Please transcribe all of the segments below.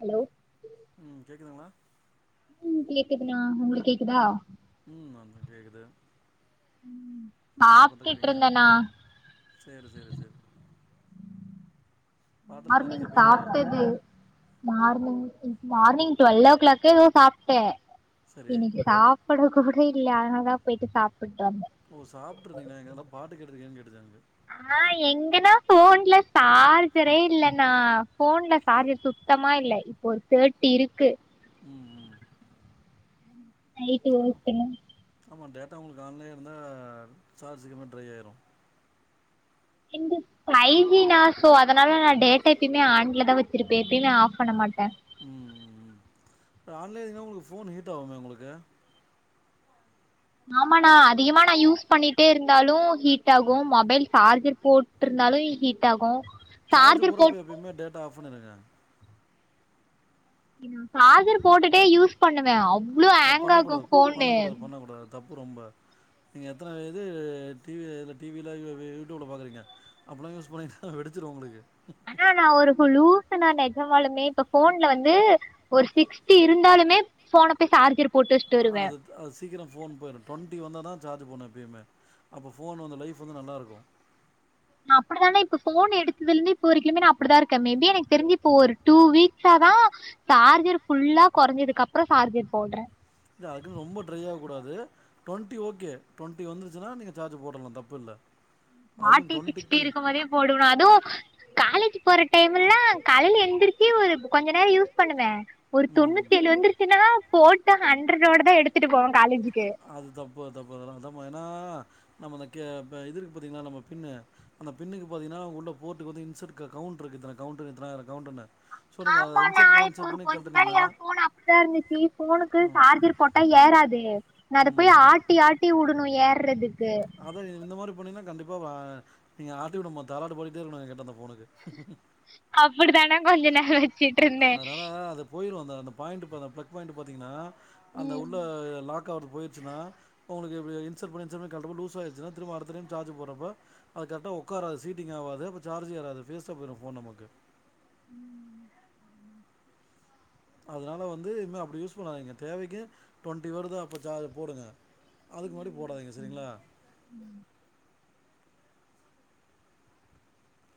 Hello ம் கேட்குதுங்களா ம் கேக்குதுனா உங்களுக்கு கேக்குதா ம் தா கேக்குது என்ன சாப்ட்டுட்டு பண்ணிட்டுருக்கறீங்க இருந்தேண்ணா சேரி சேரி சரி பாட்டெல்லாம் நெறைய மார்னிங் கேட்பீங்களோ சாப்பிட்டது மார்னிங் மார்னிங் டுவெல்வ் ஓ கிளாக்கோ ஏதோ சாப்ட சரி இன்னைக்கு சா ப்புட கூட இல்ல அதனால தா போயிட்டு சாப்பிட்டு வந்த ஓ சாப்ட்ருந்தீங்களா எங்காதுல பாட்டு கேட்டுட்டிருகன்னு கேட்டுச்சு எனக்கு ணா எங்கண்ணா போன்ல சார்ஜரே ம் இல்லண்ணா போன்ல சார்ஜர் சுத்தமா இல்ல ஒரு தேர்டி இருக்கு ம் ம் நைட் ஒர்க் என்ன ஆமா டேட்டா உங்களுக்கு ஆன்லையே இருந்தா சார்ஜுக்குமே ட்ரை ஆயிடு [inaudible] ஃபைஜி நா சோ அதனால நான் டேட்டா எப்பயுமே ஆன்லதா வச்சிருப்பே எப்பயுமே ஆஃப் பண்ண மாட்டே ம் ம் ஆன்லையே இருந்தா உங்களுக்கு ஃபோன் ஹீட் ஆகுமே உங்களுக்கு ஆமா நா அதிகமா நா யூஸ் பண்ணிட்டே இருந்தாலு ஹீட் ஆகு மொபைல் சார்ஜர் போட் இருந்தாலு ஹீட் ஆகு சார்ஜ் சார்ஜர் போடுறப்ப போட் எப்பயுமே டேட்டா ஆஃப் பண்ணிடுங்க சார்ஜர் போட்டுட்டே யூஸ் பண்ணுவே அவ்ளோ அ ஹேங் ஆகு பண்ணக்கூடாது ஃபோனு பண்ணக்கூடாது பண்ணக்கூடாது தப்பு ரொம்ப நீங்க எத்தன இது டி வி ல டி வி ல யூடியூப்ல பாக்கறீங்க அப்டிலாம் யூஸ் பண்ணிங்கனா வெடிச்சுடு உங்களுக்கு ஆனா நா ஒரு லூசு நா நெஜமாலுமே இப்ப ஃபோன்ல வந்து ஒரு சிக்ஸ்டி இருந்தாலுமே ஃபோன போய் சார்ஜரு அ அது அது சீக்கிரம் ஃபோன் போயிடு டுவெண்டி வந்தா தா சார்ஜ் போடனு எப்பயுமே அப்போ ஃபோன் வந்து லைஃப் வந்து நல்லாயிருக்கு நா அப்படித்தானே இப்போ ஃபோன் எடுத்ததுலிருந்து இப்ப வரையுமே நா அப்படிதா இருக்கே மேபி எனக்கு தெரிஞ்ச இப்போ ஒரு டூ வீக்ஸா தா சார்ஜர் ஃபுல்லா குறைஞ்சதுக்கு அப்புறோ சார்ஜர் போடுறே அ அதுக்குன்னு ரொம்ப ட்ரையாக கூடாது டுவெண்டி ஓகே டுவண்டி வந்துருச்சுன்னா நீங்க சார்ஜ் போட்டுடலா தப்பு இல்ல அது டுவெண்டுக்கே போடுவ அது காலேஜ் போற டைம்ல்லா காலையில எந்திரிச்சி ஒரு கொஞ்ச நேரோ யூஸ் பண்ணுவ ஒரு ம் ம். தொண்ணூத்தி ஏழு வந்துருச்சுன்னா போட்டு ஹண்ட்ரோட தா எடுத்துட்டு போவே காலேஜுக்கு அது தப்பு தப்பு அதலாமா ஏன்னா நம்ம இந்த க இ இது இருக்கு பாத்தீங்கன்னா நம்ம பின்னு அந்த பின்னுக்கு பாத்தீங்கன்னா உள்ள போட்டுக்கு வந்து இன்சட் கெக் கௌண்ட் இருக்கு இத்தனாயிரோ கௌண்டுன்னு ஆமா நா இப்போ ஒரு கொஞ்ச நேரோ எ ஃபோன் அப்படிதா இருந்துச்சு ஃபோனுக்கு ம் சார்ஜர் போட்டா ஏறாது நா அத போய் ம் ஆட்டி ஆட்டி விடணு ஏறதுக்கு அதா இந்த மாதிரி பண்ணீங்கன்னா கண்டிப்பா நீங்க ஆட்டி விடமா தாளாட்டு பாடிட்டே இருக்கணு அந்த ஃபோனுக்கு அப்டிதாண்ணே கொஞ்ச நேரோ வச்சுட்டு இருந்தே போயிறு அந்த அந்த பாயிண்ட் பிளக் பாயிண்ட் பாத்தீங்கன்னா அந்த ம் உள்ள லாக் கிளிக் ஆவுறது போயிடுச்சுனா உங்களுக்கு இப்டி இன்சர்ட் பண்ணி இன்சர்ட் பண்ணி கழட்டுபோ லூசாயிருச்சனா திரும்ப அடுத்த டைம் சார்ஜ் போறப்ப அது கரெக்டா உக்காராது சீட்டிங் ஆவாது அப்போ சார்ஜ் ஏராது வேஸ்ட்டா போயிடு ஃபோன் நமக்கு ம் அதனால வந்து இனிமே அப்டி யூஸ் பண்ணாதிங்க தேவைக்கு ட்வெண்ட்டி வருதா அப்போ சார்ஜ் போடுங்க அதுக்கு முன்னாடி போடாதீங்க சரிங்களா [inaudible]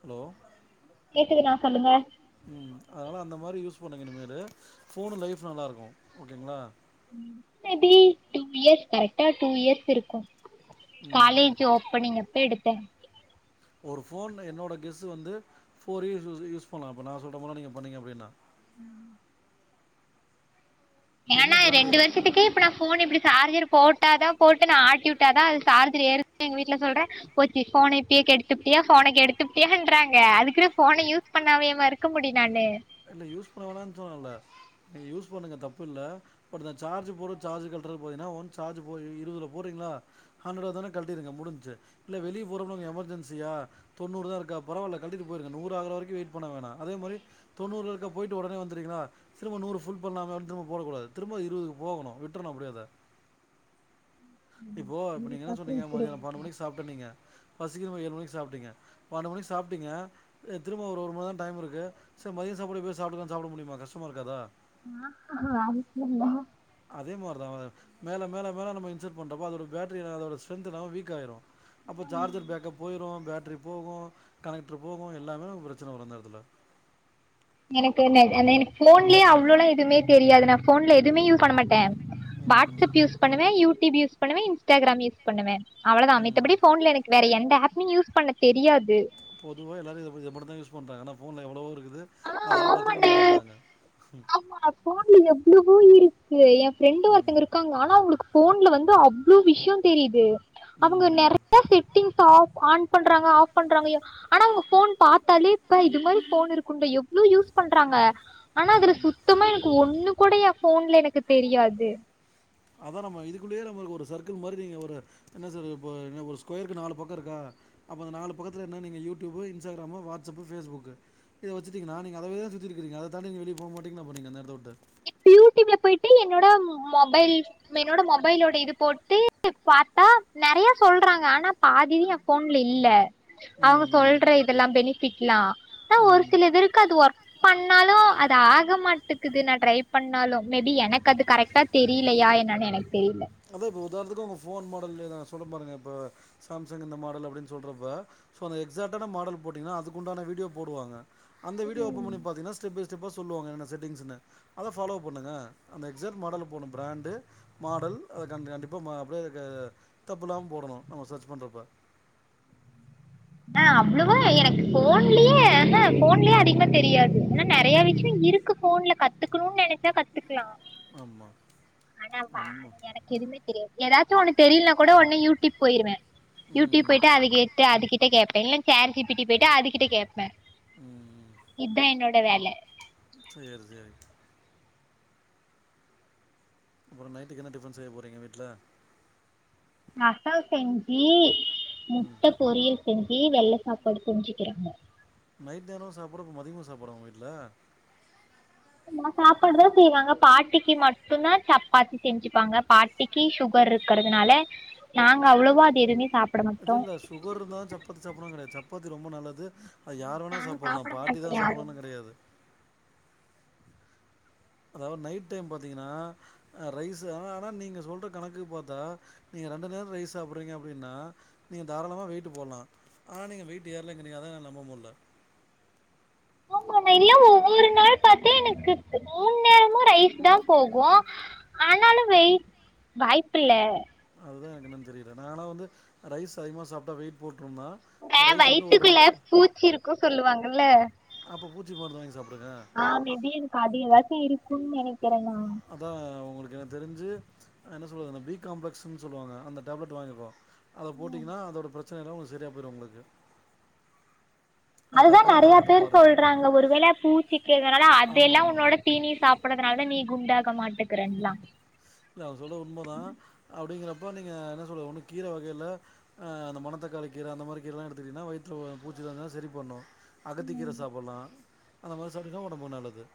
ஹலோ கேக்குது அண்ணா சொல்லுங்க உம் அதனால் அந்த மாரி யூஸ் பண்ணுங்க இனிமேலு ஃபோன் லைஃப் நல்லாயிருக்கும் ஓகேங்களா டி டூ இயர்ஸ் கரெக்டா டூ இயர்ஸ் இருக்கும் ம். காலேஜ் ஓப்பனிங் அப்ப எடுத்தேன் ஒரு ஃபோன் என்னோடோ கெஸ் வந்து ஃப்போர் இயர்ஸ் யூஸ் பண்ணலாம் இப்போ நான் சொல்ற மாதிரி நீங்கள் பண்ணீங்க அப்டின்னா என்ன ஏன்னா பிராண்டு? இரண்டு வருஷத்துக்கு இப்போ நான் ஃபோன் இப்டி சார்ஜர் போட்டாதான் போட்டு நான் ஆட்டி விட்டாதான் அது சார்ஜர் ஏறுதுன்னு எங்க வீட்ல சொல்றேன் போச்சு ஃபோனை இப்பையே கெடுத்துப்புட்டியா ஃபோனை கெடுத்துப்புட்டியான்றங்க அதுக்குன்னு ஃபோனை யூஸ் பண்ணாவே வா இருக்க முடியும் நானு இல்ல யூஸ் பண்ண வோனானு சொல்லல நீங்க யூஸ் பண்ணுங்க தப்பில்ல பட் இந்த சார்ஜ் போறது சார்ஜ் கழட்டுறது பாத்தீங்கன்னா ஒன் சார்ஜ் போ இருவதுல போட்றீங்களா ஹண்ட்ரட் வந்தோடனே கழட்டிருக்கங்க முடிஞ்ச்சு இல்ல வெளியே போற எமர்ஜென்சியா தொண்ணூறு தா இருக்கா பரவால்ல கழட்டிட்டு போயிருங்க நூறு ஆகுற வரைக்கும் வெய்ட் பண்ண வேணா அதே மாதிரி தொண்ணூறுல இருக்கா போயிட்டு உடனே வந்திறீங்களா திரும்ப நூறு புல் பண்ணலாலண்டு போட கூடாது திரும்ப திரும்ப இருபதுக்கு போகணு விட்றணு அப்டியே அத இப்போ இப்ப நீங்க என்ன இதுக்கப்புறோ சொன்னீங்க இப்டி மதியாணோ பன்னெண்டு இருக்கு மணிக்கு சாப் இப்ப நீங்க பசிக்கிதுன்னு ஏழு மணிக்கு சாப்ட்டீங்க பன்னெண்டு மணிக்கு சாப்ட்டீங்க திரும்ப ஒரு ஒருமணி நேரம் டைம் இருக்கு சரி மதியம் சாப்பாடு இப்ப சாப்பிட்டு இருக்கான் சாப்பிட முடியுமா கஷ்டம இருக்காதா ஆ அதுக்கு இல்ல அதே மாரிதான் மேல மேல மேல நம் இன்சரட் பண்றப்போ அதோட பேட்ரி அதோட ஸ்ட்ரென்த் எல்லாம் வீக் ஆயிரும் அப்போ சார்ஜர் பேக்கப் போயிரும் பேட்ரிக் போகும் கனெக்டர் போகும் எல்லாமே பிரச்சனை வரும் அந்த இடத்துல எனக்கு என்ன எனக்கு போன்லேயே அவ்வளவு எல்லாம் எதுவுமே தெரியாது நான் போன்ல எதுவுமே யூஸ் பண்ண மாட்டேன் ம் வாட்ஸ் ம் ஆப் யூஸ் பண்ணுவேன் யூடியூப் யூஸ் பண்ணுவேன் இன்ஸ்டாகிராம் யூஸ் பண்ணுவேன் அவ்ளவுதான் ம் மித்தபடி போன்ல எனக்கு வேற எந்த ஆப்மும் யூஸ் பண்ண தெரியாது பொதுவா எல்லாரும் இத இதை மட்டும் தான் யூஸ் பண்றாங்க ஆனா ஃபோன்ல எவ்ளவோ இருக்குது ஆ அத யாரும் கத்துக்க ஆமாண்ணே மாட்றாங்க ஆமா போன்ல எவ்வளவோ இருக்கு என் ஃப்ரெண்டு ம் ஒருத்தவங்க இருக்காங்க ஆனா அவுங்களுக்கு ஃபோன்ல வந்து அவ்வளவு விஷயம் தெரியுது அவுங்க ம் நெறைய செட்டிங்ஸ் ஆஃப் ஆன் பண்றாங்க ஆஃப் பண்றாங்கயே ஆனா உங்க ஃபோன் பாத்தாலே இப்ப இது மாரி போன் இருக்கவங்க எவ்வளவு யூஸ் பண்றாங்க ஆனா அதுல ம் ம் சுத்தமா எனக்கு ஒண்ணு கூடய ஃபோன்ல எனக்கு தெரியாது அதான் நம்ம இதுக்குள்ளையே நம்ம ஒரு சர்க்கிள் மாதிரி நீங்க ஒரு என்ன சார் இப்ப என் ஒரு ஸ்கொயருக்கு நாலு பக்கம் இருக்கா அப்ப நாலு பக்கத்துல என்ன நீங்க யூடியூப்பு இன்ஸ்டாகிராமு வாட்ஸ்அப்பு ஃபேஸ்புக் இத வச்சிட்டீங்கன்னா நீங்க அதவே சுத்திட்டு இருக்கீங்க அத தாண்டி நீங்க வெளிய போக மாட்டீங்க அப்ப நீங்க அந்த இடத்த வுட்டு யூடியூப்ல போயிட்டு என்னோட மொபைல் என்னோட மொபைலோட இது போட்டு பாத்தா நெறைய சொல்றாங்க ஆனா பாதி என் ஃபோன்ல இல்ல அவுங்க ம் சொல்ற இதெல்லாம் பெனிஃபிட்லா ஆனா ம் ஒரு ம் சில இதுருக்கு அது ஒர்க பண்ணாலும் அது ஆக மாட்டக்குது நான் ட்ரை பண்ணாலும் மேபி எனக்கு அது கரெக்டா தெரியலையா என்னனு எனக்கு தெரியல அதா இப்ப உதாரணத்துக்கு ஒங்க ஃபோன் மாடல் ஏத சொல்றே பாருங்க இப்ப சாம்சங் இந்த மாடல் அப்டின்னு சொல்றப்ப சோ அந்த எக்ஸக்டான மாடல் போட்டீங்கன்னா அதுக்குண்டான வீடியோ போடுவாங்க அந்த வீடியோ ஓபன் பண்ணி பாத்தீங்கன்னா ஸ்டெப் பை ஸ்டெப்பா சொல்லுவங்க என்ன என்ன செட்டிங்ஸ்ன்னு அத ஃபாலோ பண்ணுங்க அந்த எக்ஸெ்ட் மாடல போடணு பிராண்டு மாடல் அத கண்டி கண்டிப்பா ம அப்டியே க தப்பு இல்லாம போடணு நம்ம சர்ச் பண்றப்ப ஆ அவ்வளவா எனக்கு ஃபோன்லயே ஆன ஃபோன்லயே அதிகமா தெரியாது ஆனா நெறையா விஷயோ இருக்கு ஃபோன்ல கத்துக்கணுன்னு நெனைச்சா கத்துக்கலா ஆமா ஆனா வா ஆமா எனக்கு எதுமே தெரியாது ஏதாச்சு ஒன்னு தெரியலன்னா கூட ஒன்னே யூடியூப் போயிருவே ம் யூடியூப் ம், போயிட்டு அத கே ட்டு அது கிட்ட கேப்பே இல்ல ஷேட் ஜீ பி டி போயிட்டு அது கிட்ட கேப்பே ம் இதா என்னோட வேலை சேரி சேரிங்க அப்பறோ நைட்டுக்கு என்ன டிஃபன் செய்ய போறிங்க வீட்ல ரசோ செஞ்சி ம் முட்ட பொரியல் செஞ்சி வெள்ள சாப்பாடு செஞ்சிக்கிறாங்க நைட் நேரோ சாப்பாடு அப்ப மதியமு சாப்பாட ஒங்க வீட்ல ஆமா சாப்பாடுதா செய்வாங்க பாட்டிக்கு மட்டுந்தா சப்பாத்தி செஞ்சிப்பாங்க பாட் டிக்கி சுகர் இருக்கிறதுனால நாங்க அவ்வளவா அது எதுவுமே சாப் அது இல்ல சுகர் இருந்த தா சப்பாத்தி சாப்டனு கெடையாது சப்பாத்தி ரொம்ப நல்லது அது யார் வேணா நாங்க சாப்டலா சாப்பிட பாட்டி மாட்டோ தா யாரு சாப்டணுன்னு கெடையாது அதாவது நைட் டைம் பாத்தீங்கன்னா ரைஸ் ஆனா ஆனா நீங்க சொல்ற கணக்குக்கு பாத்தா நீங்க ரெண்டு நேரோ ரைஸ் சாப்டுறீங்க அப்டின்னா நீங்க தாராளமாக வெயிட்டு போடலா ஆனா நீங்க வெயிட்டு ஏறலங்கிறீங்க அதா என்னால நம்ப முடில ஆமா அண்ணே இல்ல ஒவ்வொரு நாள் பாத்தே எனக்கு மூணு நேரமு ரைஸ் தா போகு ஆனாலு வெய்ட் வாய்ப்பு இல்ல அதுதா எனக்கு என்னன்னு தெரியல நானா வந்து ரைஸ் அதிகமாக சாப்ட்டா வெயிட் போட்டிருந்தா இந்த வயி்றுக்குள்ள பூச்சி இருக்கு சொல்லுவாங்கல்ல அப்ப பூச்சி மருந்து வாங்கி சாப்டுங்க ஆ மே பீ எனக்கு அது எதாச்சு இருக்குன்னு நெனைக்கிறே நான் அதா உங்களுக்கு எனக்கு தெரிஞ்சி என்ன சொல்லுறது பி காம்ப்ளெக்ஸ்ன்னு சொல்லுவாங்க அந்த டேப்லெட் வாங்கிக்கோ அத போட்டிங்கன்னா அதோட பிரச்சன எல்லா உங்களுக்கு சரியா போயிரு உங்களுக்கு அது அதுதா கரெக்டான நெறையா டாக்டர் பேர் பாருங்க சொல்றாங்க ஒருவேள பூச்சிக்கிறதுனால ஆமா அதெல்லா ஆமா உன்னோட தீனி சாப்டறதுனாலதா நீ குண்டாக மாட்டக்குறன்லா இல்ல அவங்க சொல்றது உண்மதா அப்டிங்கிறப்ப நீங்க என்ன சொல்றது ஒன்னு கீர வகைல ஆ அந்த மணத்தக்காளி கீரை அந்த மாரி கீரல்லா எடுத்துட்டீன்னா வயித்துல பூச்சி எதா இருந்தா சரி பண்ணு அகத்திக்கீர சாப்டலா அந்த மாரி சாப்டின்னா ஒடம்புக்கு நல்லது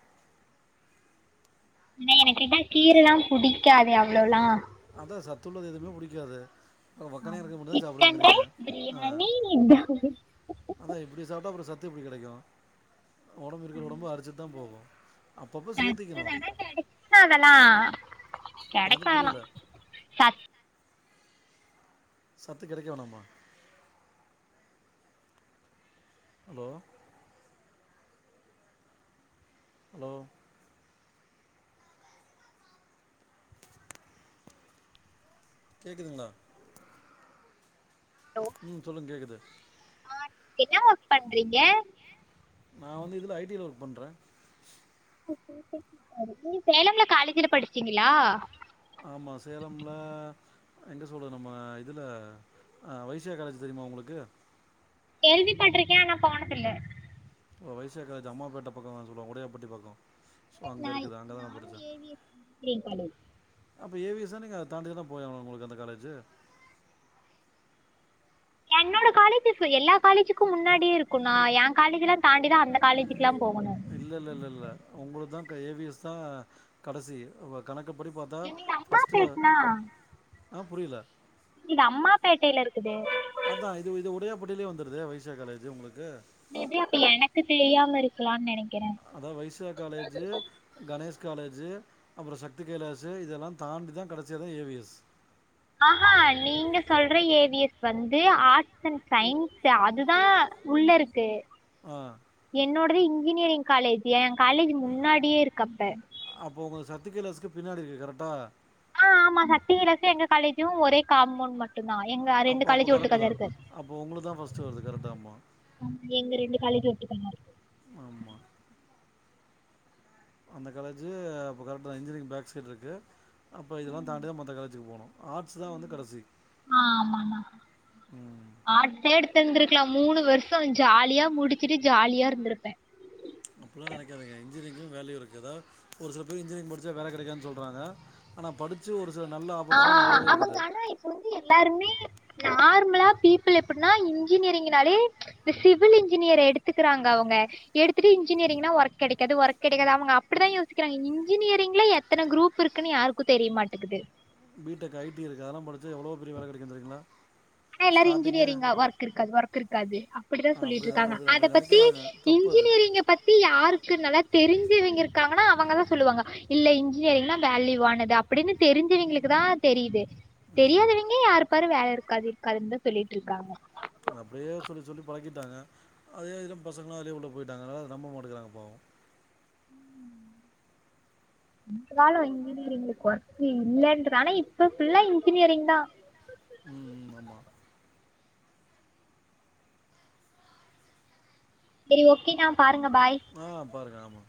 ஆன எனக்கு தா கீரைல்லா புடிக்காதே அவ்வளவுல்லா அதா சத்துள்ளது எதுவுமே பிடிக்காது ஓ வக்கனைய இருக்கது மட்டுந்தா சிக்கன் சாப்டுவேங்கிறிங்க ரைஸ் ஆ பிரியாணி இந்த அதா இப்டி சாப்ட்டா அப்பறோ சத்து எப்டி கெடைக்கு ஒடம்பு இருக்குற ஒடம்பு அரிச்சிட்டுதா போகு அப்பப்ப சேத்திக்கணு என்ன அதெல்லா என்னது கெடைக்கு அதெல்லா புரியல சத் சத்து கெடைக்க வேணாமா ஹலோ ஹலோ கேக்குதுங்களா ஹலோ ம் சொல்லுங்க கேக்குது அ என்ன ஒர்க் பண்றீங்க நான் வந்து இதில ஐ டி ல ஒர்க் பண்றே நீங்க சேலம்ல காலேஜல படிச்சீங்களா ஆமா சேலம்ல எங்க சொல்லுர நம்ம இதுல வைசியா காலேஜ் தெரிமா உங்களுக்கு கேள்விப்பட்டிருக்கே ஆனா போனதில்ல ஒரு வைசியா காலேஜ் அம்மாபேட்ட பக்கோ அ சொல்லுவங்க உடையாபட்டி பக்கோ ஸோ அங்க இருக்குது அங்க தா நா நானு படிச்சே ஏவிஎஸ் இன்ஜினியரிங் காலேஜ் அப்போ ஏ வி ஸ் னா நீங்க அத தண்டி தானே போய் ஆகனு உங்களுக்கு அந்த காலேஜூ என்னோட காலேஜ்ஸ் எல்லா காலேஜுக்கு முன்னாடியே இருக்கு நா என் காலேஜ்ல்லா தாண்டிதா அந்த காலேஜுக்குல்லா போகணு இல்லலலல உங்களுது தா ஏ வி எஸ் தா கடைசி உ கணக்குப்படி பாத்தா என்னோட ஃபர்ஸ்ட்டு அம்மாபேட்ண்ணா அ புரில இது அம்மாப்பேட்டைல இருக்குது அதா இது இது உடையாபட்டிலயே வந்துருதே வைசியா காலேஜூ உங்களுக்கு மேபி அப்ப எனக்கு தெரியாம இருக்கலான்னு நெனைக்கறே அதா வைசியா காலேஜூ கணேஷ் காலேஜூ அப்புற சக்தி கைலாஷூ இதெல்லா தாண்டி தா கடச்சியதா ஏ வி எஸ் ஆ ஹ நீங்க சொல்ற ஏ வி எஸ் வந்து ஆர்ட்ஸ் அண்ட் சயின்ஸ் அதுதா உள்ள இருக்கு து ஆ என்னோடது இன்ஜினியரிங் காலேஜ் என் காலேஜ் முன்னாடியே இருக்கு அப்ப அப்போ உங்க சத்தி கைலாஸ்க்கு பின்னாடி இருக்கு கரெட்டா அ ஆமா சத்திவிலாஸும் எங்க காலேஜும் ஒரே காமௌண்ட் மட்டு தான் எங்க ரெண்டு அப்போ அப்போ காலேஜும் கரெக்டு ஓட்டுக்கால தா இருக்கு அப்போ உங்களுக்கு தா ஃபஸ்ட்டு வருது கரெக்டா ஆமா எங்க ரெண்டு காலேஜூ ஒட்டுக்கல ஆமா அந்த காலேஜ் அப்போ கரெக்ட தா இன்ஜினியரிங் பேக் சைடு இருக்கு அப்போ இதல்லாம் தாண்டிதா மத்த காலேஜுக்கு போணும் ஆர்ட்ஸ் தான் வந்து கடசி ஆ ஆமாண்ணா ஆர்ட்ஸே எடுத்து இருந்துக்கலாம் மூணு வருஷம் ஜாலியா முடிச்சுட்டு ஜாலியா இருந்திருப்பேன் அப்டிலா நனைக்காதிங்க இன்ஜினியரிங்கு வேல்யூ இருக்கு தா ஒரு சில பேர் இன்ஜினியரிங் படிச்சா வேல கடைக்காது சொலறாங்க ஆனா படிச்சி ஒரு சில நல்ல ஆப்பர்ச்சுனிட்டிலா நறயவவே இருக்குது இப்போ வந்து எல்லாருமே நார்மலா பீப்பிள் எப்டின்னா இன்ஜினிரிங்னாலே இந்த சிவில் இன்ஜினியர் எடுத்துக்குறாங்க அவங்க எடுத்துட்டு இன்ஜினியரிங்னா ஒர்க் கெடைக்காது ஒர்க் கெடைக்காது அவங்க அப்டித்தா யோசிக்கிறாங்க இன்ஜினியரி்ங்ல எத் எத்தன குரூப் இருக்குன்னு யாருக்கு தெரிய மாட்டக்குது பி டெக் ஐ டி இருக்கு அதல்லா படிச்சு எவ்ளோ பெரிய வேல கடைக்கு தெரியுங்களா அ எல்லாரு ஸ்டார்டிங்கே இன்ஜினியரிங்கா ஒர்க் இருக்காது ஒர்க் இருக்காது அப்டிதா அப்படி சொல்லிட்டு இருக்காங்க அப்படி அத அப்படி பத்தி நினைக்கிறாங்க தப்பு அது இன்ஜினியரிங்க பத்தி யாருக்கு நல்லா தெரிஞ்சவங்க இருக்காங்கன்னா அவங்கதா சொல்லுவாங்க இல்ல இன்ஜினியரிங்னா வேல்யூவானது அப்டின்னு தெரிஞ்சவங்களுக்கு தா தெரிது ஆமாம் தெரியாதவைங்க யாரு பாரு வேல இருக்காது இருக்காதுன்னு தா சொல்லிட்டிருக்காங்க அப்டியே சொல்லி சொல்லி பழக்கிட்டாங்க அதே இதுல நம் பசங்களோ அதிலேயே உள்ள போய்ட்டாங்க அத நம்ப மாட்டேங்கறாங்க பாவோ இருந்தாலோ இன்ஜினியரிங் வொர்த் இல்லன்றனால இப்ப ஃபுல்லா இன்ஜினியரிங் தா ம் ம் ஆமா சரி ஓகே நா பாருங்க பாய் ஆ பாருங்க ஆமா